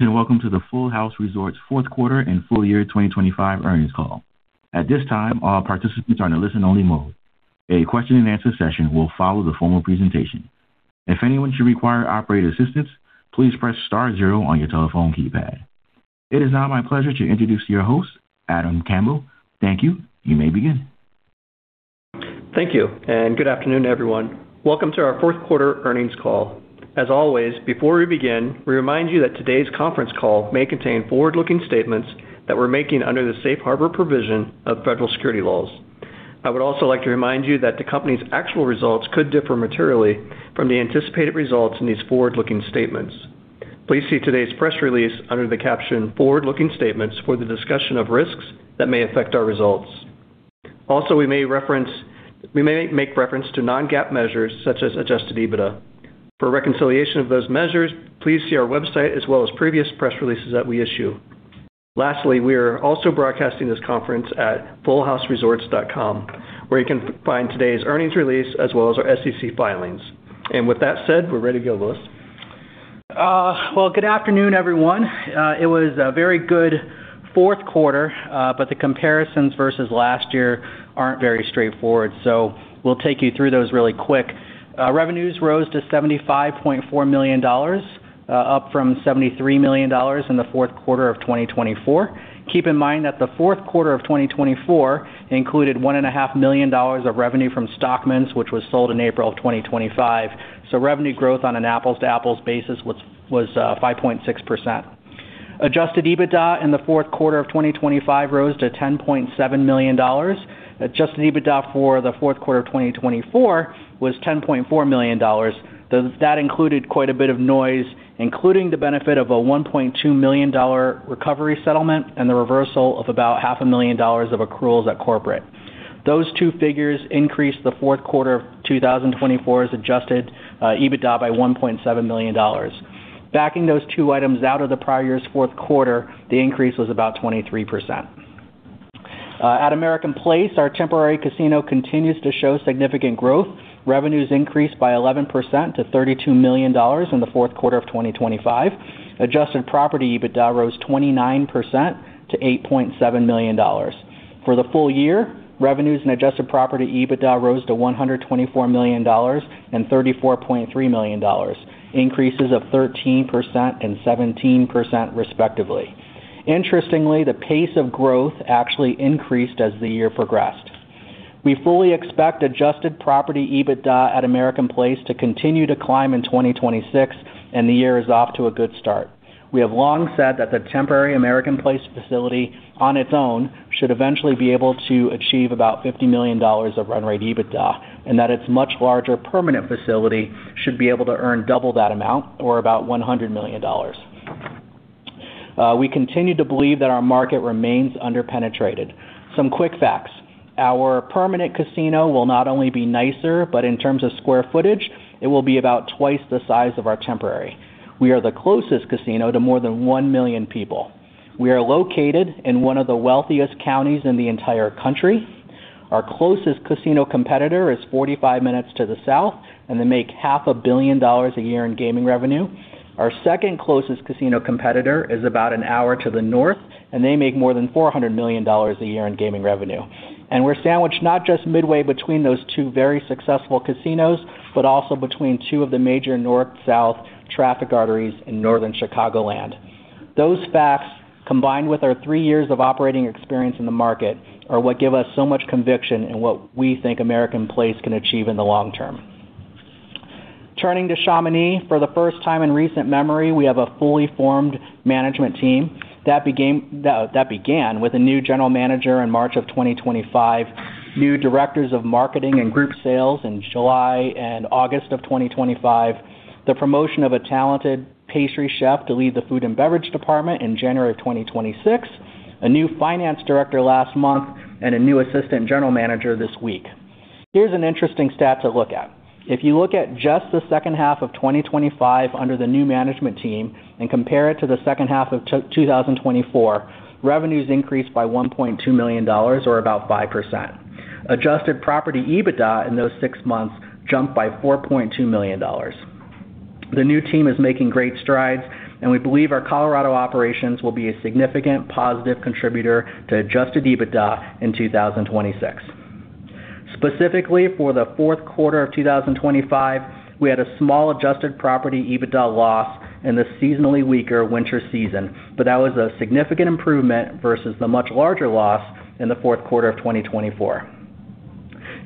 Welcome to the Full House Resorts fourth quarter and full year 2025 earnings call. At this time, all participants are in a listen-only mode. A question-and-answer session will follow the formal presentation. If anyone should require operator assistance, please press star zero on your telephone keypad. It is now my pleasure to introduce your host, Adam Campbell. Thank you. You may begin. Thank you, good afternoon, everyone. Welcome to our fourth quarter earnings call. As always, before we begin, we remind you that today's conference call may contain forward-looking statements that we're making under the Safe Harbor provision of federal security laws. I would also like to remind you that the company's actual results could differ materially from the anticipated results in these forward-looking statements. Please see today's press release under the caption Forward-looking Statements for the discussion of risks that may affect our results. Also, we may make reference to non-GAAP measures such as adjusted EBITDA. For reconciliation of those measures, please see our website as well as previous press releases that we issue. Lastly, we are also broadcasting this conference at fullhouseresorts.com, where you can find today's earnings release as well as our SEC filings. With that said, we're ready to go, Lewis. Good afternoon, everyone. It was a very good fourth quarter, the comparisons versus last year aren't very straightforward. We'll take you through those really quick. Revenues rose to $75.4 million, up from $73 million in the fourth quarter of 2024. Keep in mind that the fourth quarter of 2024 included $1.500 million dollars of revenue from Stockman's, which was sold in April of 2025. Revenue growth on an apples-to-apples basis was 5.6%. Adjusted EBITDA in the fourth quarter of 2025 rose to $10.7 million. Adjusted EBITDA for the fourth quarter of 2024 was $10.4 million. That included quite a bit of noise, including the benefit of a $1.2 million recovery settlement and the reversal of about $0.5 Million of accruals at corporate. Those two figures increased the fourth quarter of 2024 IS adjusted EBITDA by $1.7 million. Backing those two items out of the prior year's fourth quarter, the increase was about 23%. At American Place, our temporary casino continues to show significant growth. Revenues increased by 11% to $32 million in the fourth quarter of 2025. Adjusted property EBITDA rose 29% to $8.7 million. For the full year, revenues and adjusted property EBITDA rose to $124 million and $34.3 million, increases of 13% and 17% respectively. Interestingly, the pace of growth actually increased as the year progressed. We fully expect adjusted EBITDA at American Place to continue to climb in 2026, the year is off to a good start. We have long said that the temporary American Place facility on its own should eventually be able to achieve about $50 million of run rate EBITDA, that its much larger permanent facility should be able to earn double that amount or about $100 million. We continue to believe that our market remains under-penetrated. Some quick facts. Our permanent casino will not only be nicer, but in terms of square footage, it will be about twice the size of our temporary. We are the closest casino to more than 1 million people. We are located in one of the wealthiest counties in the entire country. Our closest casino competitor is 45 minutes to the south, and they make $0.5 billion a year in gaming revenue. Our second closest casino competitor is about an hour to the north, and they make more than $400 million a year in gaming revenue. We're sandwiched not just midway between those two very successful casinos, but also between two of the major north-south traffic arteries in northern Chicagoland. Those facts, combined with our three years of operating experience in the market, are what give us so much conviction in what we think American Place can achieve in the long term. Turning to Chamonix, for the first time in recent memory, we have a fully formed management team. That began with a new general manager in March of 2025, new directors of marketing and group sales in July and August of 2025, the promotion of a talented pastry chef to lead the food and beverage department in January of 2026, a new finance director last month, and a new assistant general manager this week. Here's an interesting stat to look at. If you look at just the second half of 2025 under the new management team and compare it to the second half of 2024, revenues increased by $1.2 million or about 5%. Adjusted property EBITDA in those six months jumped by $4.2 million. The new team is making great strides. We believe our Colorado operations will be a significant positive contributor to adjusted EBITDA in 2026. Specifically, for the fourth quarter of 2025, we had a small adjusted property EBITDA loss in the seasonally weaker winter season, but that was a significant improvement versus the much larger loss in the fourth quarter of 2024.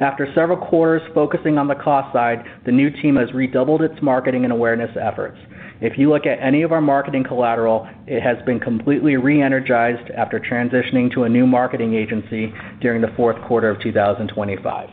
After several quarters focusing on the cost side, the new team has redoubled its marketing and awareness efforts. If you look at any of our marketing collateral, it has been completely re-energized after transitioning to a new marketing agency during the fourth quarter of 2025.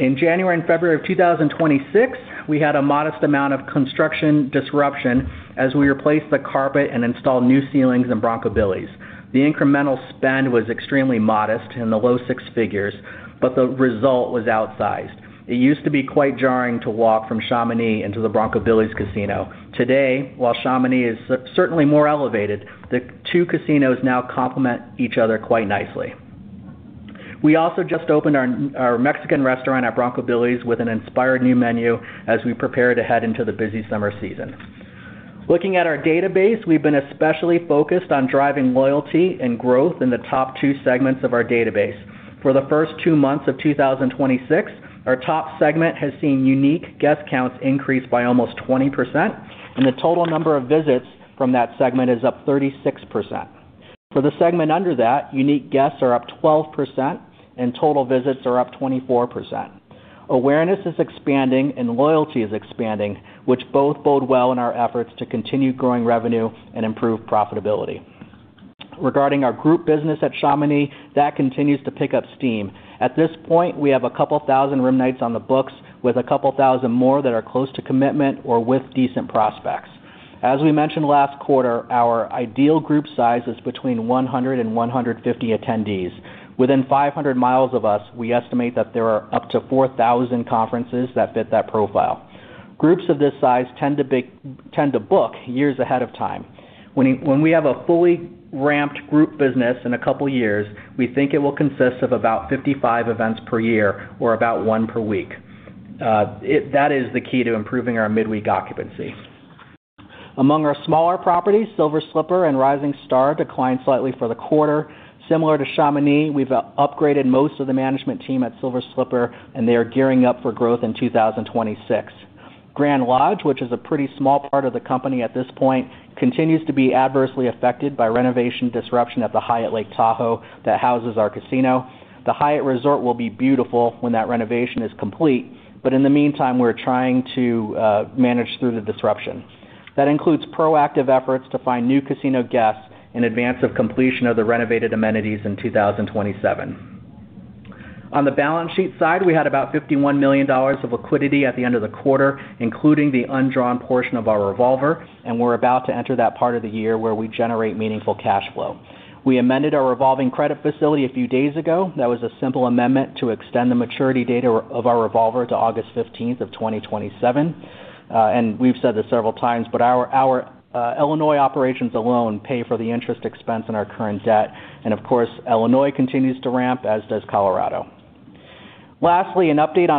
In January and February of 2026, we had a modest amount of construction disruption as we replaced the carpet and installed new ceilings in Bronco Billy's. The incremental spend was extremely modest in the low $6 figures, but the result was outsized. It used to be quite jarring to walk from Chamonix into the Bronco Billy's Casino. Today, while Chamonix is certainly more elevated, the two casinos now complement each other quite nicely. We also just opened our Mexican restaurant at Bronco Billy's with an inspired new menu as we prepare to head into the busy summer season. Looking at our database, we've been especially focused on driving loyalty and growth in the top two segments of our database. For the first two months of 2026, our top segment has seen unique guest counts increase by almost 20%, and the total number of visits from that segment is up 36%. For the segment under that, unique guests are up 12% and total visits are up 24%. Awareness is expanding and loyalty is expanding, which both bode well in our efforts to continue growing revenue and improve profitability. Regarding our group business at Chamonix, that continues to pick up steam. At this point, we have a couple thousand room nights on the books with a couple thousand more that are close to commitment or with decent prospects. As we mentioned last quarter, our ideal group size is between 100 and 150 attendees. Within 500 mi of us, we estimate that there are up to 4,000 conferences that fit that profile. Groups of this size tend to book years ahead of time. When we have a fully ramped group business in a couple years, we think it will consist of about 55 events per year or about one per week. That is the key to improving our midweek occupancy. Among our smaller properties, Silver Slipper and Rising Star declined slightly for the quarter. Similar to Chamonix, we've upgraded most of the management team at Silver Slipper, and they are gearing up for growth in 2026. Grand Lodge, which is a pretty small part of the company at this point, continues to be adversely affected by renovation disruption at the Hyatt Regency Lake Tahoe that houses our casino. The Hyatt Resort will be beautiful when that renovation is complete, but in the meantime, we're trying to manage through the disruption. That includes proactive efforts to find new casino guests in advance of completion of the renovated amenities in 2027. On the balance sheet side, we had about $51 million of liquidity at the end of the quarter, including the undrawn portion of our revolver, and we're about to enter that part of the year where we generate meaningful cash flow. We amended our revolving credit facility a few days ago. That was a simple amendment to extend the maturity date of our revolver to August 15, 2027. We've said this several times, but our Illinois operations alone pay for the interest expense on our current debt. Of course, Illinois continues to ramp as does Colorado. An update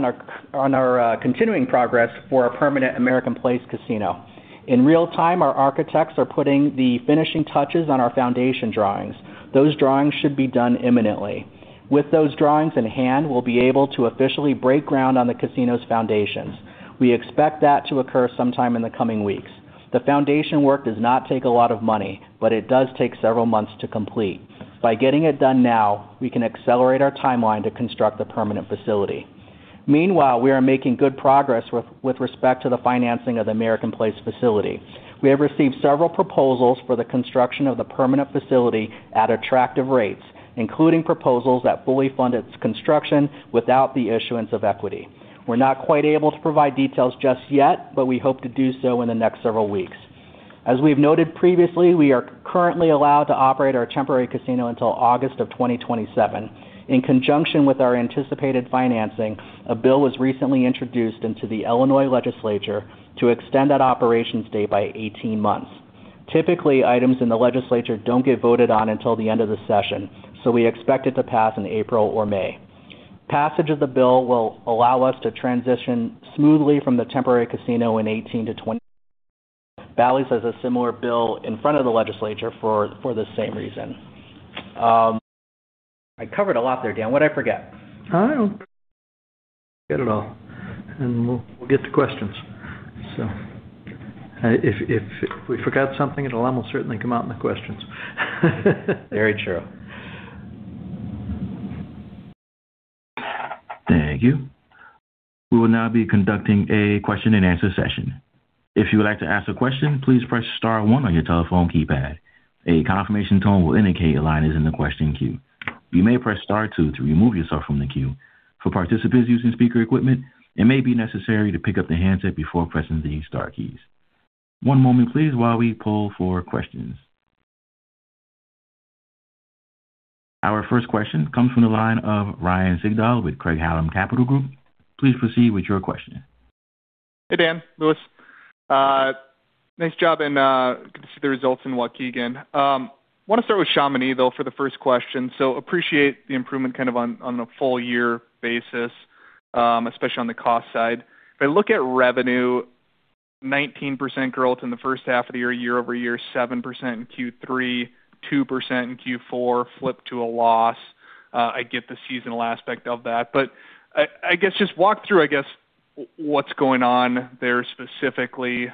on our continuing progress for our permanent American Place Casino. In real time, our architects are putting the finishing touches on our foundation drawings. Those drawings should be done imminently. With those drawings in hand, we'll be able to officially break ground on the casino's foundations. We expect that to occur sometime in the coming weeks. The foundation work does not take a lot of money, but it does take several months to complete. By getting it done now, we can accelerate our timeline to construct the permanent facility. Meanwhile, we are making good progress with respect to the financing of the American Place facility. We have received several proposals for the construction of the permanent facility at attractive rates, including proposals that fully fund its construction without the issuance of equity. We're not quite able to provide details just yet, but we hope to do so in the next several weeks. As we've noted previously, we are currently allowed to operate our temporary casino until August of 2027. In conjunction with our anticipated financing, a bill was recently introduced into the Illinois legislature to extend that operations date by 18 months. Typically, items in the legislature don't get voted on until the end of the session, so we expect it to pass in April or May. Passage of the bill will allow us to transition smoothly from the temporary casino in 2018 to 2020. Bally's has a similar bill in front of the legislature for the same reason. I covered a lot there, Dan. What'd I forget? Get it all, and we'll get to questions. If we forgot something, it'll almost certainly come out in the questions. Very true. Thank you. We will now be conducting a question-and-answer session. If you would like to ask a question, please press star one on your telephone keypad. A confirmation tone will indicate your line is in the question queue. You may press star two to remove yourself from the queue. For participants using speaker equipment, it may be necessary to pick up the handset before pressing the star keys. One moment please while we pull for questions. Our first question comes from the line of Ryan Sigdahl with Craig-Hallum Capital Group. Please proceed with your question. Hey, Dan, Lewis. Nice job and good to see the results in Waukegan. Wanna start with Chamonix, though, for the first question. Appreciate the improvement kind of on a full year basis, especially on the cost side. If I look at revenue, 19% growth in the first half of the year-over-year, 7% in Q3, 2% in Q4, flip to a loss. I get the seasonal aspect of that, but I guess just walk through, I guess, what's going on there specifically,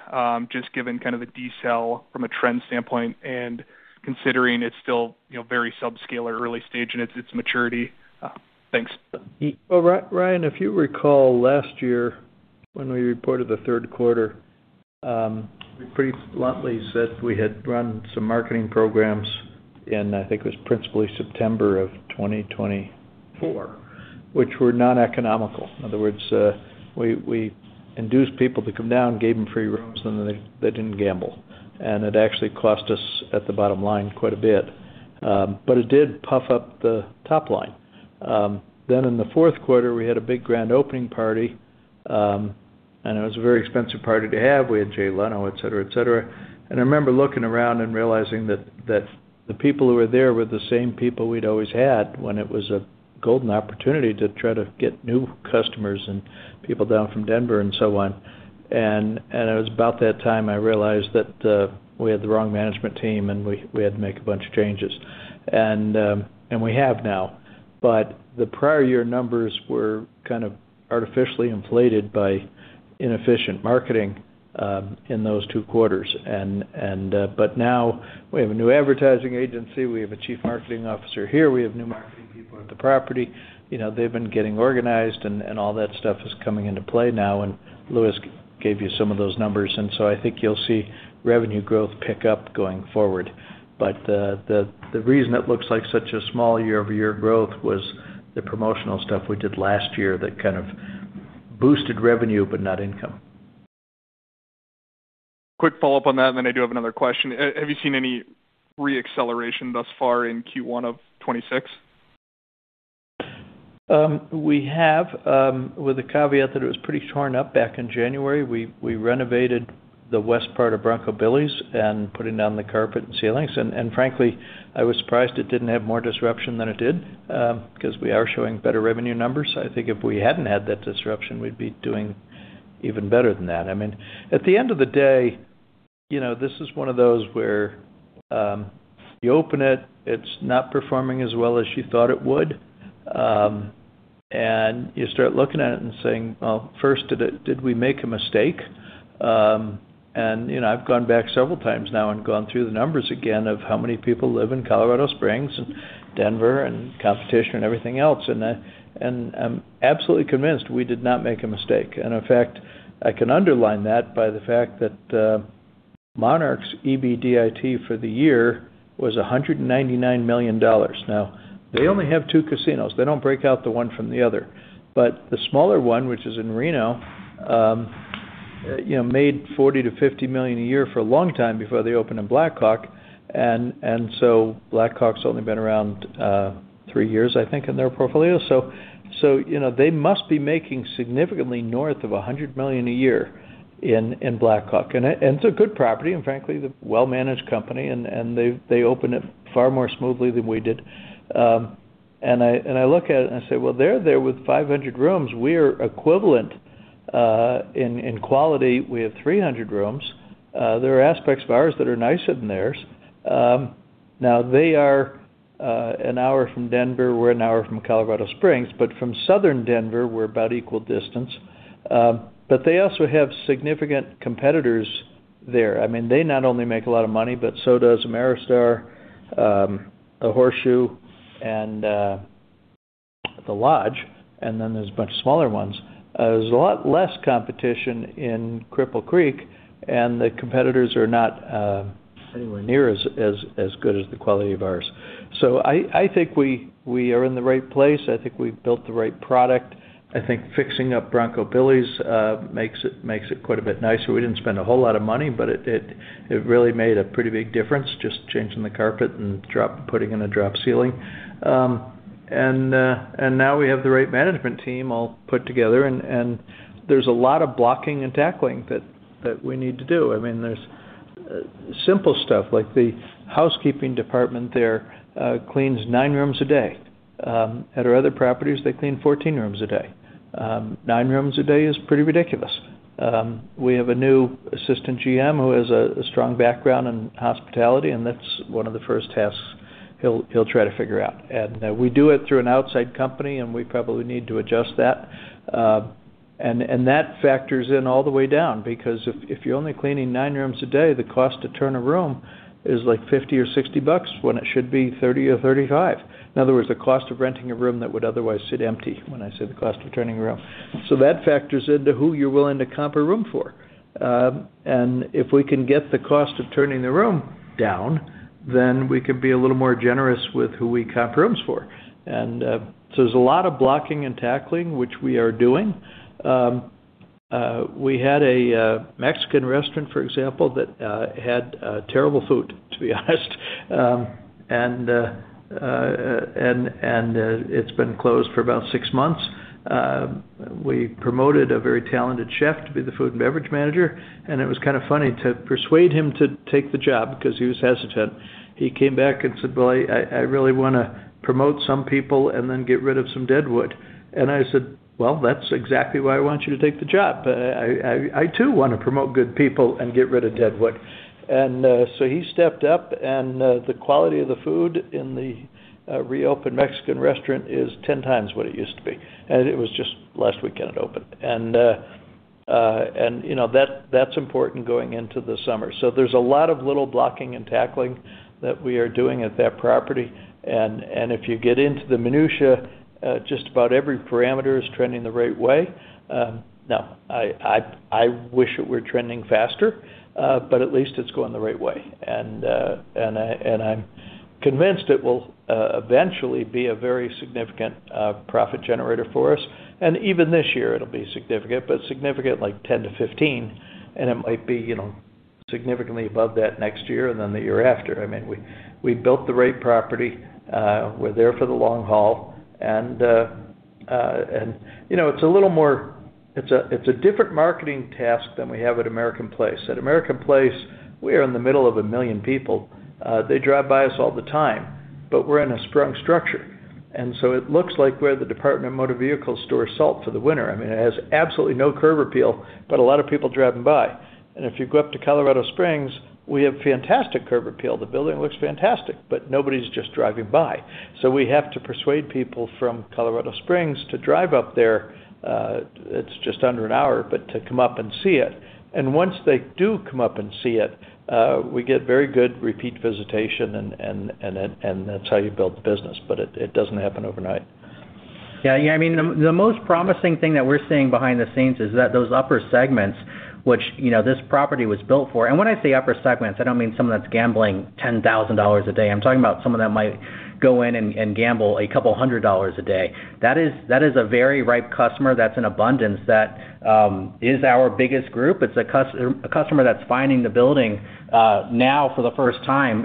just given kind of the decel from a trend standpoint and considering it's still, you know, very subscale or early stage in its maturity. Thanks. Well, Ryan, if you recall last year when we reported the third quarter, we pretty bluntly said we had run some marketing programs in, I think it was principally September of 2024, which were non-economical. In other words, we induced people to come down, gave them free rooms, and then they didn't gamble. It actually cost us at the bottom line quite a bit, but it did puff up the top line. In the fourth quarter, we had a big grand opening party. It was a very expensive party to have. We had Jay Leno, etc.. I remember looking around and realizing that the people who were there were the same people we'd always had when it was a golden opportunity to try to get new customers and people down from Denver and so on. It was about that time I realized that we had the wrong management team and we had to make a bunch of changes. We have now. The prior year numbers were kind of artificially inflated by inefficient marketing in those two quarters. Now we have a new advertising agency. We have a Chief Marketing Officer here. We have new marketing people at the property. You know, they've been getting organized and all that stuff is coming into play now, and Lewis gave you some of those numbers. I think you'll see revenue growth pick up going forward. The reason it looks like such a small year-over-year growth was the promotional stuff we did last year that kind of boosted revenue, but not income. Quick follow-up on that, and then I do have another question. Have you seen any re-acceleration thus far in Q1 of 2026? We have, with the caveat that it was pretty torn up back in January. We renovated the west part of Bronco Billy's and putting down the carpet and ceilings. Frankly, I was surprised it didn't have more disruption than it did, 'cause we are showing better revenue numbers. I think if we hadn't had that disruption, we'd be doing even better than that. I mean, at the end of the day, you know, this is one of those where you open it's not performing as well as you thought it would, and you start looking at it and saying, "Well, first, did we make a mistake?" You know, I've gone back several times now and gone through the numbers again of how many people live in Colorado Springs and Denver and competition and everything else. I'm absolutely convinced we did not make a mistake. In fact, I can underline that by the fact that Monarch's EBITDA for the year was $199 million. Now, they only have two casinos. They don't break out the one from the other. The smaller one, which is in Reno, you know, made $40 million-$50 million a year for a long time before they opened in Black Hawk. So Black Hawk's only been around three-years, I think, in their portfolio. So, you know, they must be making significantly north of $100 million a year in Black Hawk. It's a good property, and frankly, they're a well-managed company, and they opened it far more smoothly than we did. I look at it and I say, "Well, they're there with 500 rooms. We're equivalent in quality. We have 300 rooms. There are aspects of ours that are nicer than theirs." Now they are an hour from Denver. We're an hour from Colorado Springs. From southern Denver, we're about equal distance. They also have significant competitors there. I mean, they not only make a lot of money, but so does Ameristar, the Horseshoe, and The Lodge, and then there's a bunch of smaller ones. There's a lot less competition in Cripple Creek, the competitors are not anywhere near as good as the quality of ours. I think we are in the right place. I think we've built the right product. I think fixing up Bronco Billy's makes it quite a bit nicer. We didn't spend a whole lot of money, but it really made a pretty big difference just changing the carpet and putting in a drop ceiling. Now we have the right management team all put together and there's a lot of blocking and tackling that we need to do. I mean, there's simple stuff like the housekeeping department there cleans nine rooms a day. At our other properties, they clean 14 rooms a day. nine rooms a day is pretty ridiculous. We have a new assistant GM who has a strong background in hospitality, and that's one of the first tasks he'll try to figure out. We do it through an outside company, and we probably need to adjust that. That factors in all the way down because if you're only cleaning nine rooms a day, the cost to turn a room is like $50 or $60 when it should be $30 or $35. In other words, the cost of renting a room that would otherwise sit empty when I say the cost of turning a room. That factors into who you're willing to comp a room for. If we can get the cost of turning the room down, then we can be a little more generous with who we comp rooms for. There's a lot of blocking and tackling, which we are doing. We had a Mexican restaurant, for example, that had terrible food, to be honest. It's been closed for about six months. We promoted a very talented chef to be the food and beverage manager, and it was kind of funny to persuade him to take the job because he was hesitant. He came back and said, "Well, I really wanna promote some people and then get rid of some deadwood." I said, "Well, that's exactly why I want you to take the job. I too wanna promote good people and get rid of deadwood." He stepped up, the quality of the food in the reopened Mexican restaurant is 10 times what it used to be. It was just last weekend it opened. You know, that's important going into the summer. "So there's a lot of little blocking and tackling that we are doing at that property. And, and if you get into the minutia, uh, just about every parameter is trending the right way. Um, now, I, I wish it were trending faster, uh, but at least it's going the right way. And, uh, and I, and I'm convinced it will, uh, eventually be a very significant, uh, profit generator for us. And even this year it'll be significant, but significant like ten to fifteen, and it might be, you know-Significantly above that next year and then the year after. I mean, we built the right property, uh, we're there for the long haul. And, uh, and, you know, it's a little more-- it's a, it's a different marketing task than we have at American Place. At American Place, we are in the middle of 1 million people. They drive by us all the time, but we're in a sprung structure. It looks like we're the Department of Motor Vehicles store salt for the winter. I mean, it has absolutely no curb appeal, but a lot of people driving by. If you go up to Colorado Springs, we have fantastic curb appeal. The building looks fantastic, but nobody's just driving by. We have to persuade people from Colorado Springs to drive up there, it's just under 1 hour, but to come up and see it. Once they do come up and see it, we get very good repeat visitation and that's how you build the business, but it doesn't happen overnight. I mean, the most promising thing that we're seeing behind the scenes is that those upper segments, which, you know, this property was built for, and when I say upper segments, I don't mean someone that's gambling $10,000 a day. I'm talking about someone that might go in and gamble a couple hundred dollars a day. That is a very ripe customer that's in abundance, that is our biggest group. It's a customer that's finding the building now for the first time.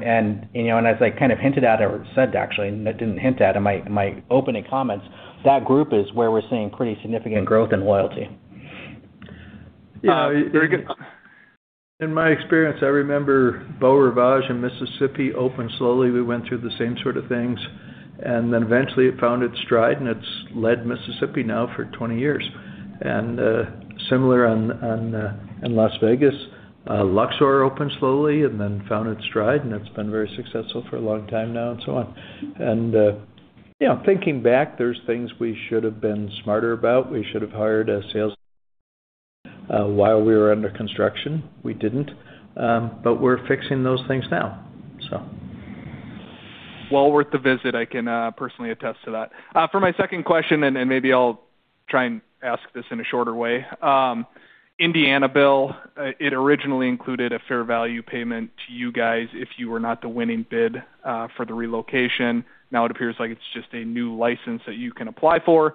You know, and as I kind of hinted at or said, actually, I didn't hint at in my, in my opening comments, that group is where we're seeing pretty significant growth and loyalty. Yeah. Very good. In my experience, I remember Beau Rivage in Mississippi opened slowly. We went through the same sort of things, and then eventually it found its stride, and it's led Mississippi now for 20 years. Similar on, in Las Vegas, Luxor opened slowly and then found its stride, and it's been very successful for a long time now and so on. You know, thinking back, there's things we should have been smarter about. We should have hired a sales while we were under construction. We didn't, but we're fixing those things now, so. Well worth the visit. I can personally attest to that. For my second question, and then maybe I'll try and ask this in a shorter way. Indiana bill, it originally included a fair value payment to you guys if you were not the winning bid for the relocation. Now it appears like it's just a new license that you can apply for.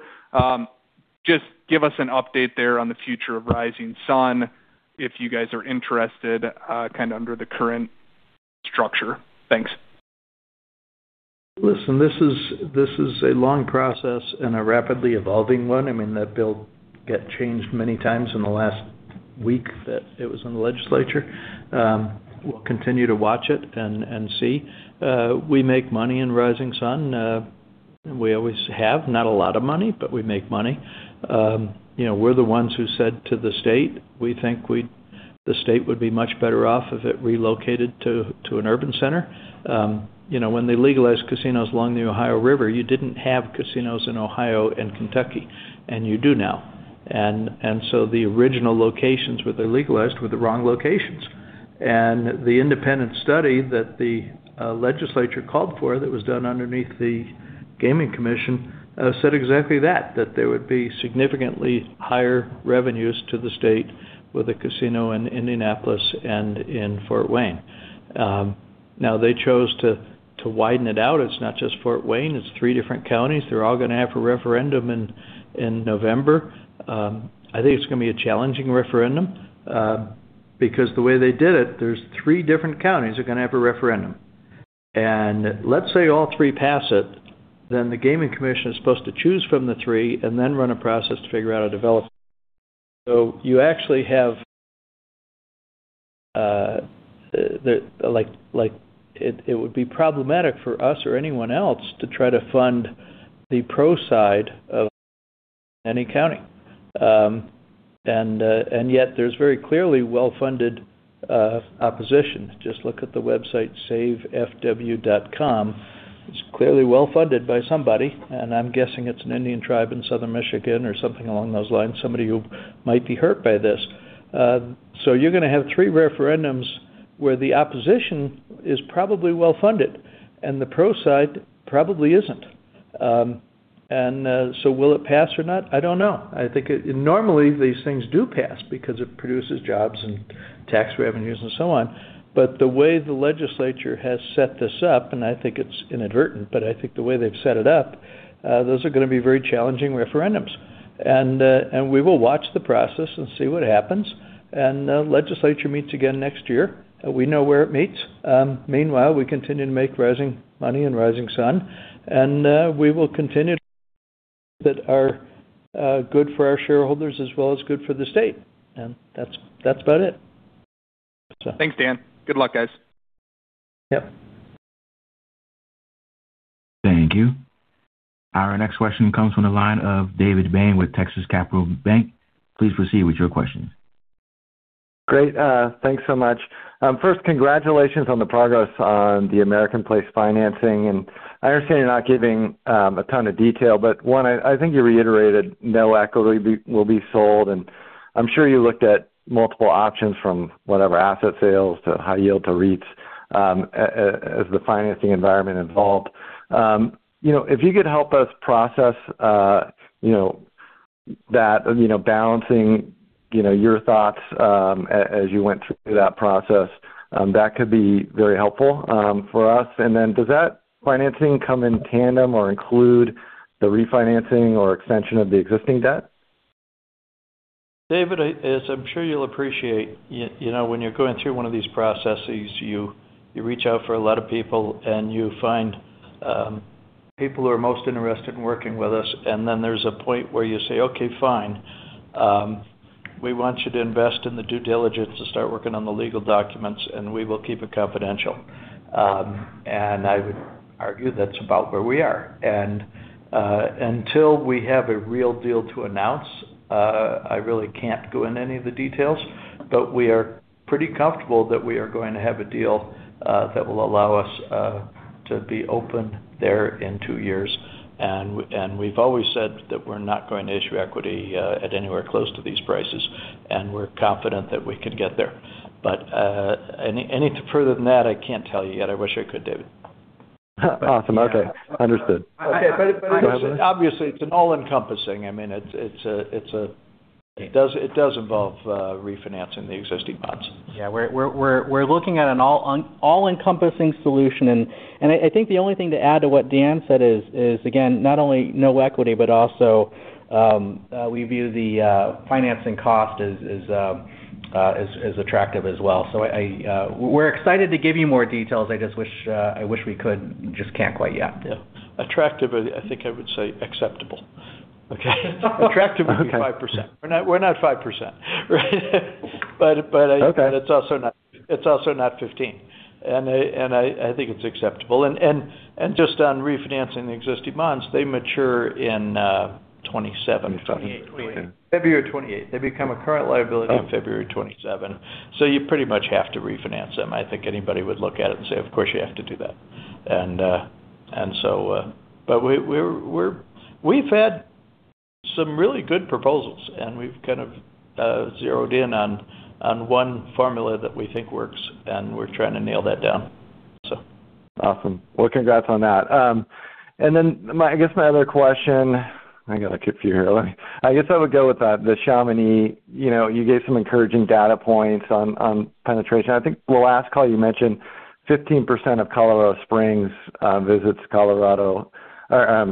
Just give us an update there on the future of Rising Sun if you guys are interested, kind of under the current structure. Thanks. Listen, this is a long process and a rapidly evolving one. I mean, that bill get changed many times in the last week that it was in the legislature. We'll continue to watch it and see. We make money in Rising Sun, we always have. Not a lot of money, but we make money. You know, we're the ones who said to the state, we think the state would be much better off if it relocated to an urban center. You know, when they legalized casinos along the Ohio River, you didn't have casinos in Ohio and Kentucky, and you do now. The original locations where they legalized were the wrong locations. The independent study that the legislature called for that was done underneath the Gaming Commission said exactly that there would be significantly higher revenues to the state with a casino in Indianapolis and in Fort Wayne. Now they chose to widen it out. It's not just Fort Wayne, it's three different counties. They're all gonna have a referendum in November. I think it's gonna be a challenging referendum because the way they did it, there's three different counties are gonna have a referendum. Let's say all three pass it, then the Gaming Commission is supposed to choose from the three and then run a process to figure out a developer. You actually have like it would be problematic for us or anyone else to try to fund the pro side of any county. Yet there's very clearly well-funded opposition. Just look at the website, savefw.com. It's clearly well-funded by somebody, and I'm guessing it's an Indian tribe in southern Michigan or something along those lines, somebody who might be hurt by this. You're gonna have three referendums where the opposition is probably well-funded, and the pro side probably isn't. Will it pass or not? I don't know. I think normally these things do pass because it produces jobs and tax revenues and so on. The way the legislature has set this up, and I think it's inadvertent, but I think the way they've set it up, those are gonna be very challenging referendums. We will watch the process and see what happens. Legislature meets again next year. We know where it meets. Meanwhile, we continue to make making money in Rising Sun, and we will continue that are good for our shareholders as well as good for the state. That's about it. Thanks, Dan. Good luck, guys. Yep. Thank you. Our next question comes from the line of David Bain with Texas Capital Bank. Please proceed with your questions. Great. Thanks so much. First, congratulations on the progress on the American Place financing. I understand you're not giving a ton of detail, but one, I think you reiterated no equity will be sold, and I'm sure you looked at multiple options from whatever asset sales to high yield to REITs, as the financing environment evolved. You know, if you could help us process, you know, that, you know, balancing, you know, your thoughts, as you went through that process, that could be very helpful for us. Then does that financing come in tandem or include the refinancing or extension of the existing debt? David, as I'm sure you'll appreciate, you know, when you're going through one of these processes, you reach out for a lot of people, and you find people who are most interested in working with us. Then there's a point where you say, "Okay, fine. We want you to invest in the due diligence to start working on the legal documents, and we will keep it confidential." I would argue that's about where we are. Until we have a real deal to announce, I really can't go into any of the details. We are pretty comfortable that we are going to have a deal that will allow us to be open there in two-years. We've always said that we're not going to issue equity, at anywhere close to these prices, and we're confident that we can get there. Any further than that, I can't tell you yet. I wish I could, David. Awesome. Okay. Understood. Okay. Obviously, it's an all-encompassing. I mean, It does involve refinancing the existing bonds. Yeah. We're looking at an all-encompassing solution. I think the only thing to add to what Dan said is, again, not only no equity, but also we view the financing cost as attractive as well. I We're excited to give you more details. I just wish I wish we could, just can't quite yet. Yeah. Attractive, I think I would say acceptable. Okay. Attractive would be 5%. We're not 5%. Right. Okay. It's also not 15. I think it's acceptable. Just on refinancing the existing bonds, they mature in 2027. 28. February 28. They become a current liability on February 27, so you pretty much have to refinance them. I think anybody would look at it and say, "Of course, you have to do that." We've had some really good proposals, and we've kind of zeroed in on one formula that we think works, and we're trying to nail that down. So. Awesome. Well, congrats on that. I guess my other question, I gotta keep you here. I guess I would go with, the Chamonix. You know, you gave some encouraging data points on penetration. I think the last call you mentioned 15% of Colorado Springs, visits Colorado or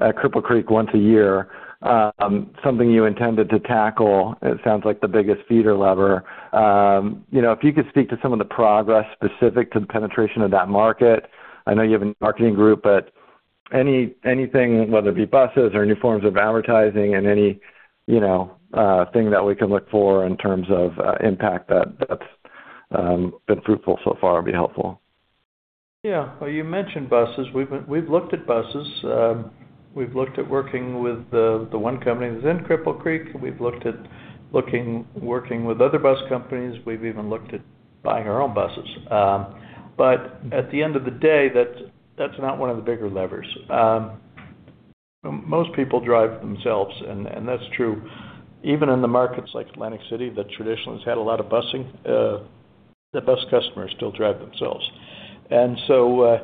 Cripple Creek once a year. Something you intended to tackle, it sounds like the biggest feeder lever. You know, if you could speak to some of the progress specific to the penetration of that market. I know you have a marketing group, but anything, whether it be buses or new forms of advertising and any, you know, thing that we can look for in terms of, impact that's, been fruitful so far would be helpful. Yeah. Well, you mentioned buses. We've looked at buses. We've looked at working with the one company that's in Cripple Creek. We've looked at looking, working with other bus companies. We've even looked at buying our own buses. At the end of the day, that's not one of the bigger levers. Most people drive themselves, and that's true even in the markets like Atlantic City, that traditionally has had a lot of busing. The bus customers still drive themselves. It's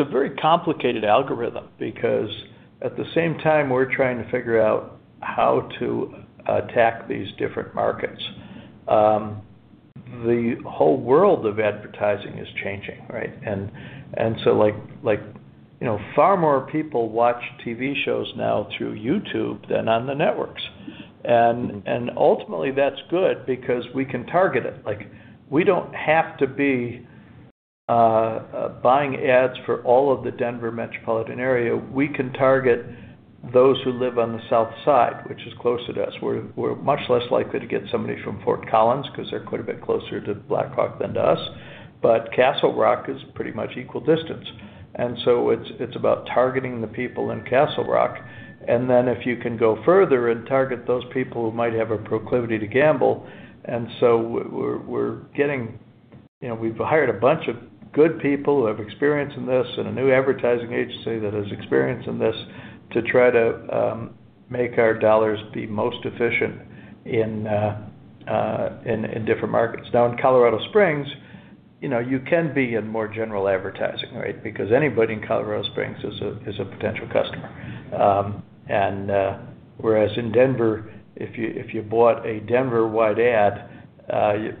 a very complicated algorithm because at the same time we're trying to figure out how to attack these different markets, the whole world of advertising is changing, right? Like, you know, far more people watch TV shows now through YouTube than on the networks. Ultimately that's good because we can target it. Like, we don't have to be buying ads for all of the Denver metropolitan area. We can target those who live on the south side, which is closer to us. We're much less likely to get somebody from Fort Collins because they're quite a bit closer to Black Hawk than to us. Castle Rock is pretty much equal distance. It's about targeting the people in Castle Rock. If you can go further and target those people who might have a proclivity to gamble. We're getting. You know, we've hired a bunch of good people who have experience in this at a new advertising agency that has experience in this to try to make our dollars be most efficient in different markets. In Colorado Springs, you know, you can be in more general advertising, right? Anybody in Colorado Springs is a potential customer. Whereas in Denver, if you bought a Denver-wide ad,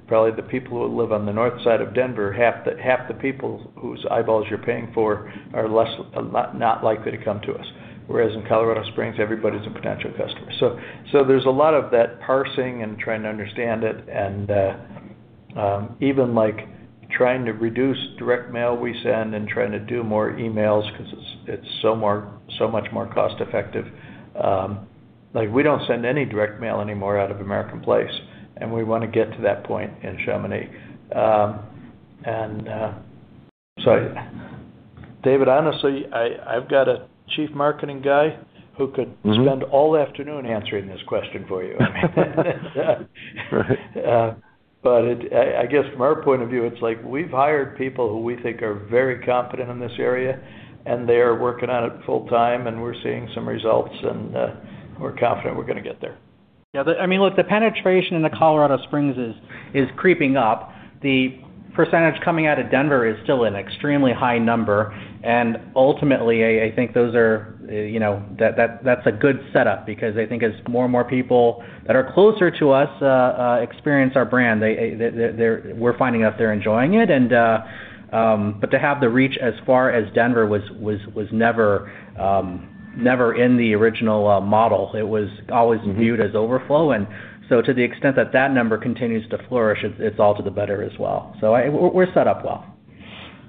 probably the people who live on the north side of Denver, half the people whose eyeballs you're paying for are less, a lot not likely to come to us. Whereas in Colorado Springs, everybody's a potential customer. There's a lot of that parsing and trying to understand it and even, like, trying to reduce direct mail we send and trying to do more emails 'cause it's so much more cost-effective. Like, we don't send any direct mail anymore out of American Place, and we wanna get to that point in Chamonix. David, honestly, I've got a chief marketing guy. Mm-hmm. Spend all afternoon answering this question for you. Right. I guess from our point of view, it's like we've hired people who we think are very competent in this area, and they are working on it full time, and we're seeing some results, and we're confident we're gonna get there. Yeah. I mean, look, the penetration in Colorado Springs is creeping up. The percentage coming out of Denver is still an extremely high number. Ultimately, I think those are, you know, that's a good setup because I think as more and more people that are closer to us experience our brand, we're finding out they're enjoying it. To have the reach as far as Denver was never in the original model. It was always viewed as overflow. To the extent that that number continues to flourish, it's all to the better as well. We're set up well.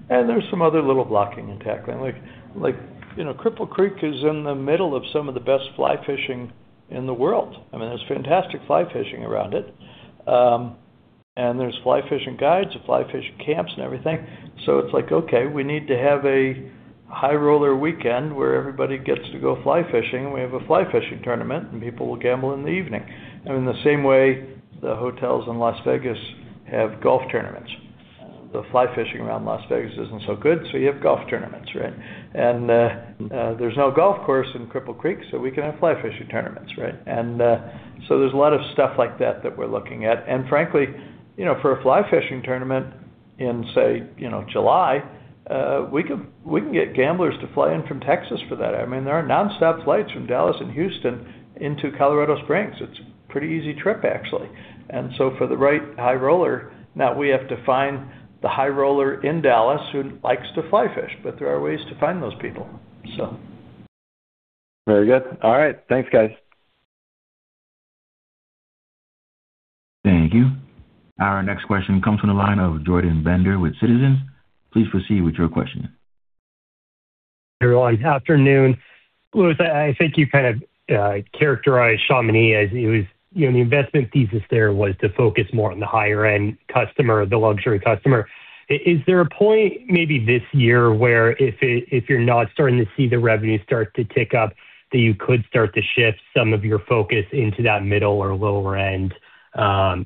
There's some other little blocking and tackling. Like, you know, Cripple Creek is in the middle of some of the best fly fishing in the world. I mean, there's fantastic fly fishing around it. There's fly fishing guides and fly fishing camps and everything. It's like, okay, we need to have a high roller weekend where everybody gets to go fly fishing, and we have a fly fishing tournament, and people will gamble in the evening. I mean, the same way the hotels in Las Vegas have golf tournaments. The fly fishing around Las Vegas isn't so good, so you have golf tournaments, right? There's no golf course in Cripple Creek, so we can have fly fishing tournaments, right? There's a lot of stuff like that that we're looking at. Frankly, you know, for a fly fishing tournament in, say, you know, July, we can get gamblers to fly in from Texas for that. I mean, there are nonstop flights from Dallas and Houston into Colorado Springs. It's a pretty easy trip, actually. For the right high roller, now we have to find the high roller in Dallas who likes to fly fish, but there are ways to find those people. Very good. All right. Thanks, guys. Thank you. Our next question comes from the line of Jordan Bender with Citizens. Please proceed with your question. Everyone, afternoon. Louis, I think you kind of characterized Chamonix as it was, you know, the investment thesis there was to focus more on the higher end customer, the luxury customer. Is there a point maybe this year where if you're not starting to see the revenue start to tick up, that you could start to shift some of your focus into that middle or lower end,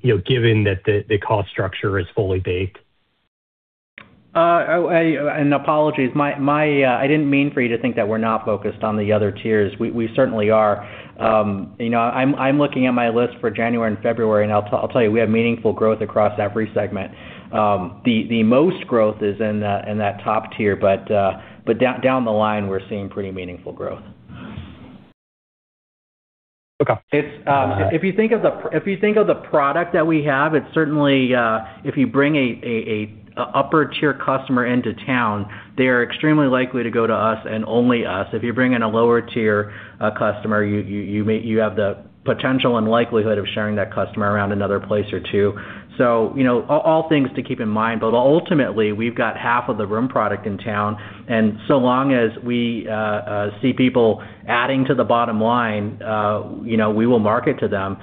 you know, given that the cost structure is fully baked? Apologies. I didn't mean for you to think that we're not focused on the other tiers. We certainly are. You know, I'm looking at my list for January and February, I'll tell you, we have meaningful growth across every segment. The most growth is in that top tier, but down the line, we're seeing pretty meaningful growth. Okay. It's. If you think of the, if you think of the product that we have, it's certainly, if you bring a upper tier customer into town, they are extremely likely to go to us and only us. If you bring in a lower tier customer, you have the potential and likelihood of sharing that customer around another place or two. You know, all things to keep in mind. Ultimately, we've got half of the room product in town, and so long as we see people adding to the bottom line, you know, we will market to them.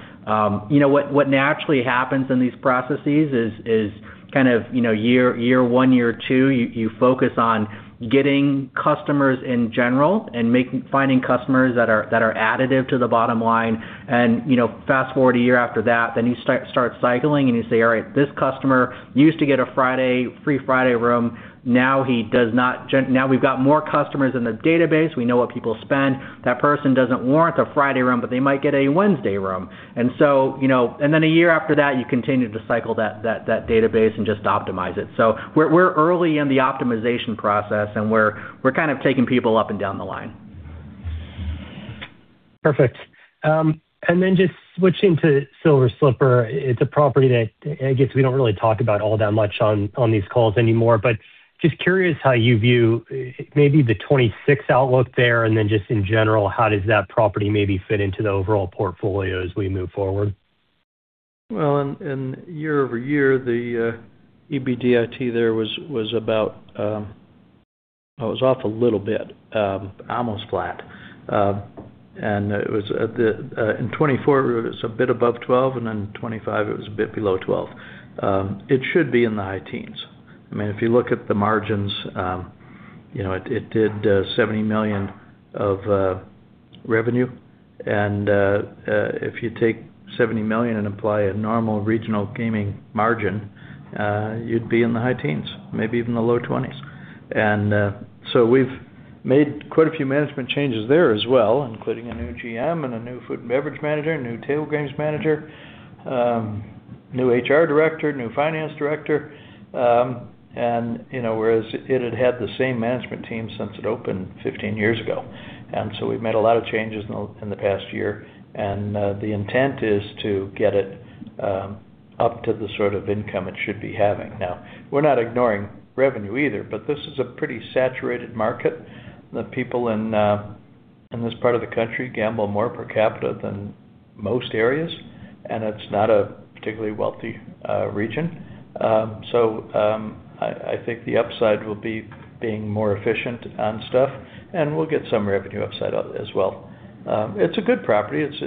You know, what naturally happens in these processes is kind of, you know, year one, year two, you focus on getting customers in general and finding customers that are additive to the bottom line. You know, fast-forward a year after that, then you start cycling, and you say, "All right, this customer used to get a Friday, free Friday room. Now he does not. Now we've got more customers in the database. We know what people spend. That person doesn't warrant the Friday room, but they might get a Wednesday room." You know, then a year after that, you continue to cycle that database and just optimize it. We're early in the optimization process, and we're kind of taking people up and down the line. Perfect. Just switching to Silver Slipper. It's a property that I guess we don't really talk about all that much on these calls anymore. Just curious how you view maybe the 2026 outlook there, and then just in general, how does that property maybe fit into the overall portfolio as we move forward? Well, in year-over-year, the EBITDA there was about. It was off a little bit, almost flat. It was at the. In 24, it was a bit above 12, and then 25, it was a bit below 12. It should be in the high teens. I mean, if you look at the margins, you know, it did $70 million of revenue. If you take $70 million and apply a normal regional gaming margin, you'd be in the high teens, maybe even the low twenties. We've made quite a few management changes there as well, including a new GM, a new food and beverage manager, a new table games manager, new HR director, new finance director. You know, whereas it had had the same management team since it opened 15 years ago. We've made a lot of changes in the, in the past year, and the intent is to get it up to the sort of income it should be having. Now, we're not ignoring revenue either, but this is a pretty saturated market. The people in this part of the country gamble more per capita than most areas, and it's not a particularly wealthy region. I think the upside will be being more efficient on stuff, and we'll get some revenue upside as well. It's a good property. It's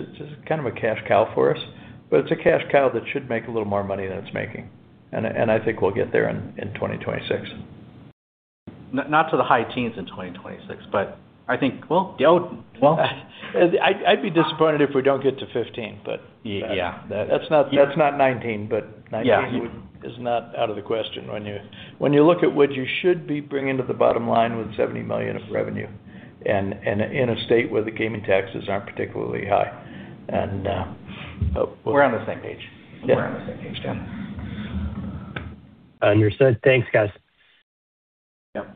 kind of a cash cow for us, but it's a cash cow that should make a little more money than it's making. I think we'll get there in 2026. Not to the high teens in 2026, but I think. Well, I'd be disappointed if we don't get to 15. Yeah. That's not 19. Yeah. 19 is not out of the question when you look at what you should be bringing to the bottom line with $70 million of revenue and in a state where the gaming taxes aren't particularly high. We're on the same page. Yeah. We're on the same page, Dan. Understood. Thanks, guys. Yep.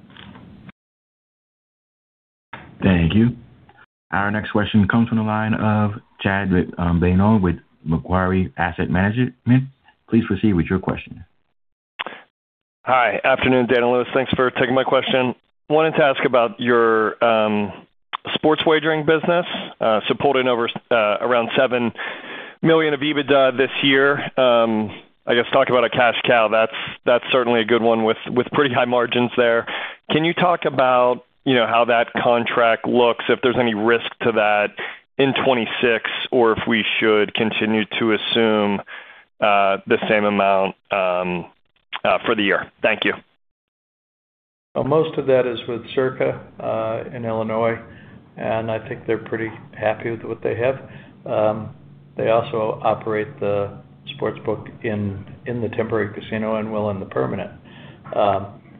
Thank you. Our next question comes from the line of Chad Beynon with Macquarie Asset Management. Please proceed with your question. Hi. Afternoon, Dan and Lewis. Thanks for taking my question. Wanted to ask about your Sports wagering business, so pulling over around $7 million of EBITDA this year. I guess talking about a cash cow, that's certainly a good one with pretty high margins there. Can you talk about, you know, how that contract looks, if there's any risk to that in 2026 or if we should continue to assume the same amount for the year? Thank you. Well, most of that is with Circa, in Illinois, and I think they're pretty happy with what they have. They also operate the sports book in the temporary casino and will in the permanent.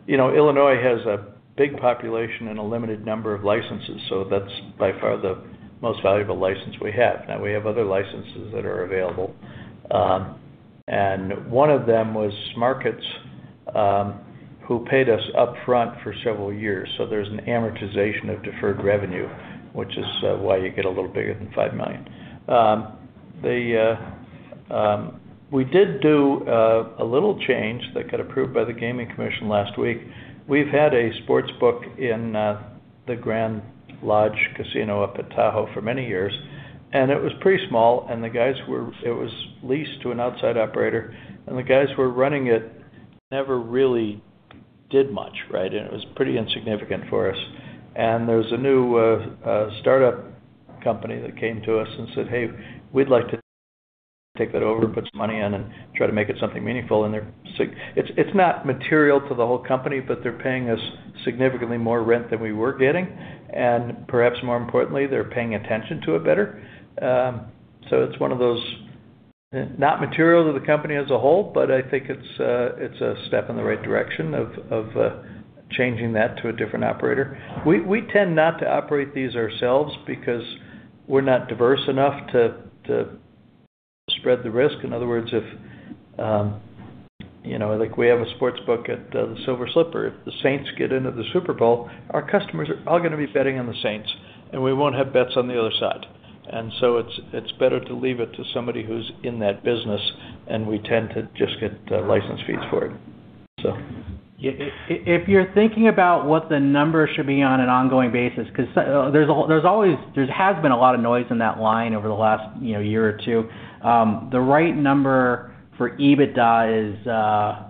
You know, Illinois has a big population and a limited number of licenses, so that's by far the most valuable license we have. Now, we have other licenses that are available. One of them was Smarkets, who paid us upfront for several years. There's an amortization of deferred revenue, which is why you get a little bigger than $5 million. The we did do a little change that got approved by the Gaming Commission last week. We've had a sports book in the Grand Lodge Casino up at Tahoe for many years. It was pretty small. It was leased to an outside operator. The guys who were running it never really did much, right? It was pretty insignificant for us. There's a new startup company that came to us and said, "Hey, we'd like to take that over and put some money in and try to make it something meaningful." It's not material to the whole company, but they're paying us significantly more rent than we were getting. Perhaps more importantly, they're paying attention to it better. So it's one of those, not material to the company as a whole, but I think it's a step in the right direction of changing that to a different operator. We tend not to operate these ourselves because we're not diverse enough to spread the risk. In other words, if, you know, like, we have a sports book at the Silver Slipper. If the Saints get into the Super Bowl, our customers are all gonna be betting on the Saints, and we won't have bets on the other side. It's better to leave it to somebody who's in that business, and we tend to just get the license fees for it. If you're thinking about what the number should be on an ongoing basis, 'cause there's always been a lot of noise in that line over the last, you know, year or two. The right number for EBITDA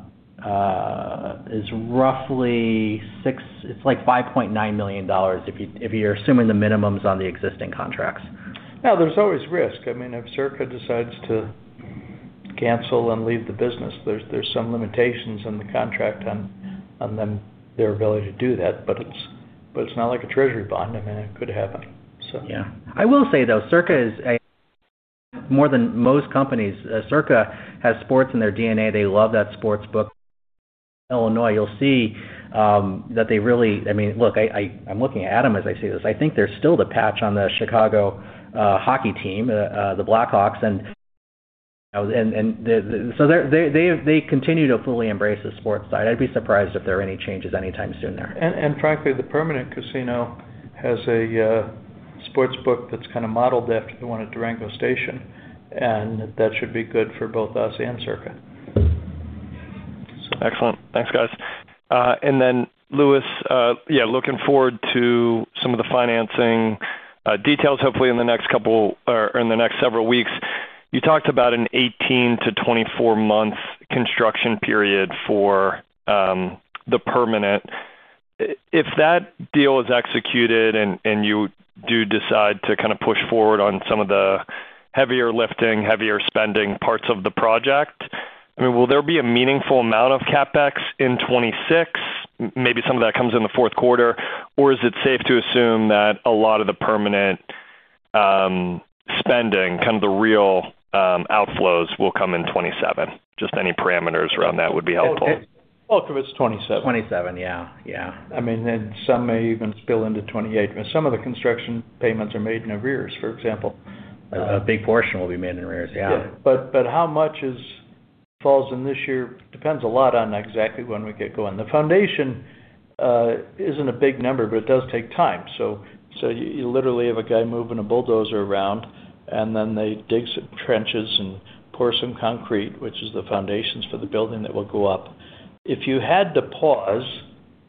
is roughly like $5.9 million if you, if you're assuming the minimums on the existing contracts. Now, there's always risk. I mean, if Circa decides to cancel and leave the business, there's some limitations in the contract on them, their ability to do that. But it's not like a treasury bond. I mean, it could happen. So. I will say, though, Circa more than most companies, Circa has sports in their DNA. They love that sports book in Illinois. You'll see that they really. I mean, look, I'm looking at them as I say this. I think there's still the patch on the Chicago hockey team, the Blackhawks and the. They continue to fully embrace the sports side. I'd be surprised if there are any changes anytime soon there. Frankly, the permanent casino has a sports book that's kind of modeled after the one at Durango Station, and that should be good for both us and Circa. Excellent. Thanks, guys. Then Lewis, yeah, looking forward to some of the financing details, hopefully in the next couple or in the next several weeks. You talked about an 18-24 month construction period for the permanent. If that deal is executed and you do decide to kind of push forward on some of the heavier lifting, heavier spending parts of the project, I mean, will there be a meaningful amount of CapEx in 2026, maybe some of that comes in the fourth quarter, or is it safe to assume that a lot of the permanent spending, kind of the real outflows will come in 2027? Just any parameters around that would be helpful. All of it's 27. 27. Yeah. Yeah. I mean, some may even spill into 2028. Some of the construction payments are made in arrears, for example. A big portion will be made in arrears. Yeah. Yeah. How much falls in this year depends a lot on exactly when we get going. The foundation isn't a big number, but it does take time. You literally have a guy moving a bulldozer around, and then they dig some trenches and pour some concrete, which is the foundations for the building that will go up. If you had to pause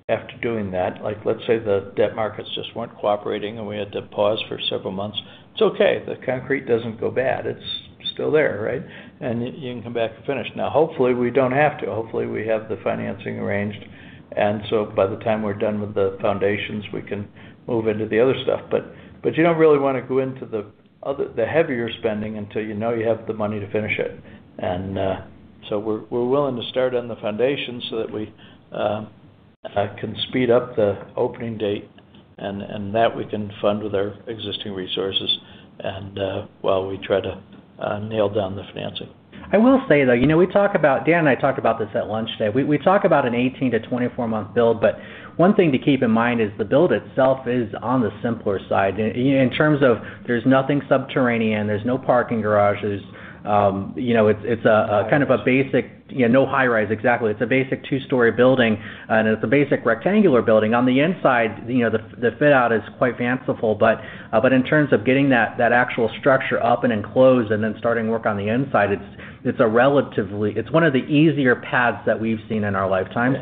after doing that, like let's say the debt markets just weren't cooperating and we had to pause for several months, it's okay. The concrete doesn't go bad. It's still there, right? You can come back and finish. Hopefully, we don't have to. Hopefully, we have the financing arranged, and so by the time we're done with the foundations, we can move into the other stuff. You don't really wanna go into the heavier spending until you know you have the money to finish it. We're willing to start on the foundation so that we can speed up the opening date and that we can fund with our existing resources and, while we try to nail down the financing. I will say, though, you know, Dan and I talked about this at lunch today. We talk about an 18-24 month build, but one thing to keep in mind is the build itself is on the simpler side. In terms of there's nothing subterranean, there's no parking garages, you know, it's a kind of a basic. No- Yeah, no high rise. Exactly. It's a basic two-story building, and it's a basic rectangular building. On the inside, you know, the fit out is quite fanciful, but in terms of getting that actual structure up and enclosed and then starting work on the inside, it's one of the easier paths that we've seen in our lifetimes.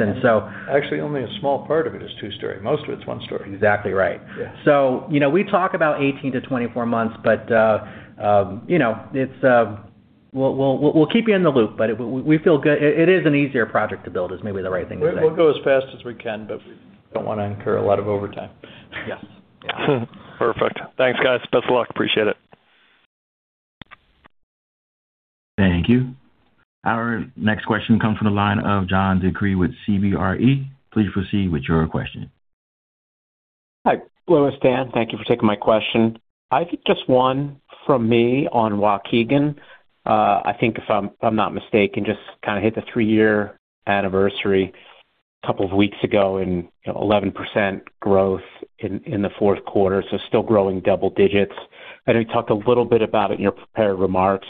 Actually, only a small part of it is two-story. Most of it's one story. Exactly right. Yeah. you know, we talk about 18 to 24 months, but, you know, it's. We'll keep you in the loop, but we feel good. It is an easier project to build is maybe the right thing to say. We'll go as fast as we can, but we don't wanna incur a lot of overtime. Yes. Perfect. Thanks, guys. Best of luck. Appreciate it. Thank you. Our next question comes from the line of John DeCree with CBRE. Please proceed with your question. Hi, Louis, Dan, thank you for taking my question. I think just one from me on Waukegan. I think if I'm not mistaken, just kinda hit the three-year anniversary a couple of weeks ago and 11% growth in the fourth quarter, still growing double digits. I know you talked a little bit about it in your prepared remarks,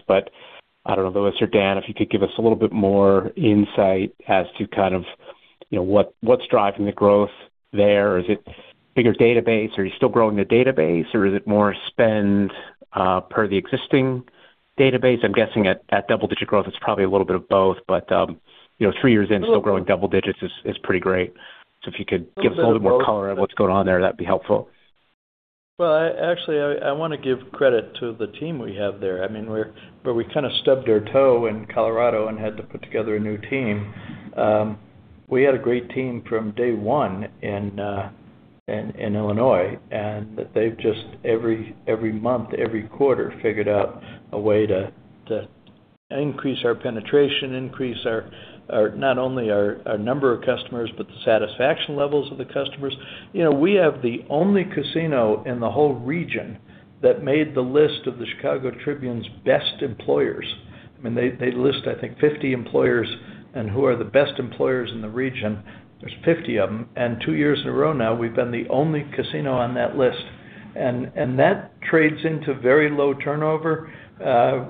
I don't know, Louis or Dan, if you could give us a little bit more insight as to kind of, you know, what's driving the growth there. Is it bigger database? Are you still growing the database, or is it more spend per the existing database? I'm guessing at that double-digit growth, it's probably a little bit of both, but, you know, three years in, still growing double digits is pretty great. If you could give- A little bit of both. A little more color on what's going on there, that'd be helpful. Well, actually, I wanna give credit to the team we have there. I mean, where we kinda stubbed our toe in Colorado and had to put together a new team, we had a great team from day one in Illinois, and they've just every month, every quarter, figured out a way to increase our penetration, increase our not only our number of customers, but the satisfaction levels of the customers. You know, we have the only casino in the whole region that made the list of the Chicago Tribune's best employers. I mean, they list, I think, 50 employers and who are the best employers in the region. There's 50 of them. two-years in a row now, we've been the only casino on that list. That trades into very low turnover,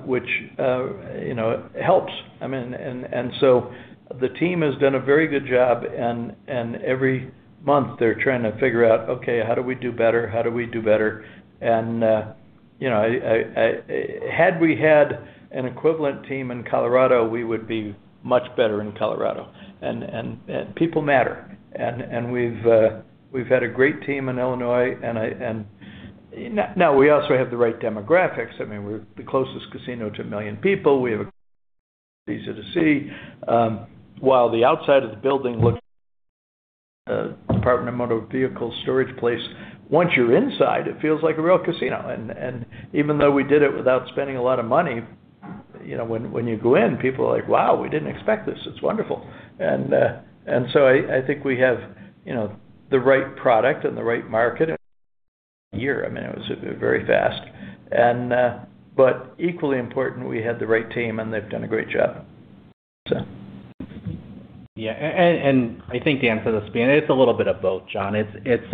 which, you know, helps. I mean, and so the team has done a very good job, and every month they're trying to figure out, okay, how do we do better? How do we do better? You know, had we had an equivalent team in Colorado, we would be much better in Colorado. People matter. We've had a great team in Illinois. Now, we also have the right demographics. I mean, we're the closest casino to 1 million people. We have a easy to see. While the outside of the building looks a Department of Motor Vehicles storage place, once you're inside, it feels like a real casino. Even though we did it without spending a lot of money, you know, when you go in, people are like, "Wow, we didn't expect this. It's wonderful." I think we have, you know, the right product and the right market in a year. I mean, it was very fast. Equally important, we had the right team, and they've done a great job, so. Yeah. I think Dan for this, it's a little bit of both, John. It's, it's,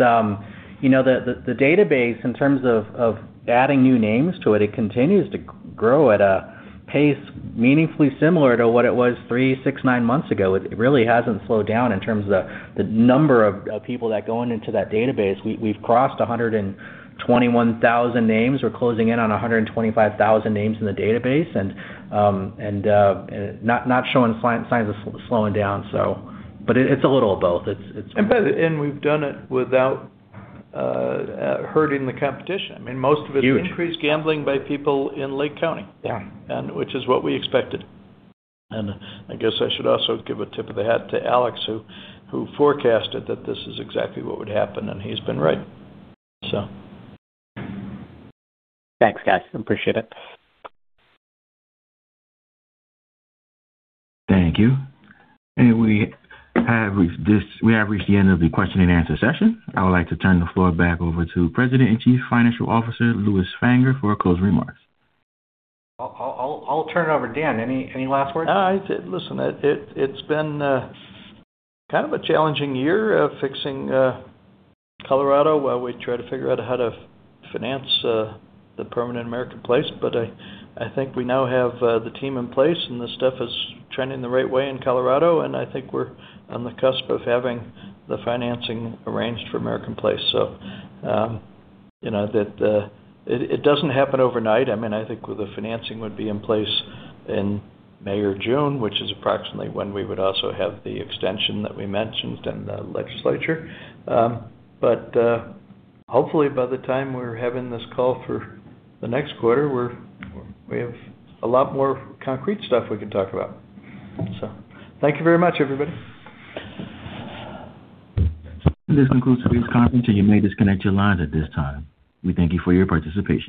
you know, the database in terms of adding new names to it continues to grow at a pace meaningfully similar to what it was three, six, nine months ago. It really hasn't slowed down in terms of the number of people that are going into that database. We've crossed 121,000 names. We're closing in on 125,000 names in the database. Not showing signs of slowing down, so. It's a little of both. It's, it's. We've done it without hurting the competition. I mean, most of it. Huge. Increased gambling by people in Lake County. Yeah. Which is what we expected. I guess I should also give a tip of the hat to Alex, who forecasted that this is exactly what would happen, and he's been right. Thanks, guys. I appreciate it. Thank you. We have reached the end of the question and answer session. I would like to turn the floor back over to President and Chief Financial Officer, Lewis Fanger, for closing remarks. I'll turn it over. Dan, any last words? Listen, it's been kind of a challenging year of fixing Colorado while we try to figure out how to finance the permanent American Place. I think we now have the team in place, and the stuff is trending the right way in Colorado, and I think we're on the cusp of having the financing arranged for American Place. You know, that it doesn't happen overnight. I mean, I think the financing would be in place in May or June, which is approximately when we would also have the extension that we mentioned in the legislature. Hopefully, by the time we're having this call for the next quarter, we have a lot more concrete stuff we can talk about. Thank you very much, everybody. This concludes today's conference, and you may disconnect your lines at this time. We thank you for your participation.